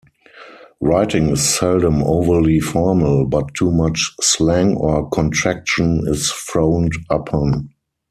Writing is seldom overly formal, but too much slang or contraction is frowned upon.